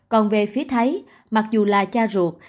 còn về phía thái mặc dù là cha ruột